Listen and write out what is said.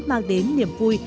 mang đến niềm vui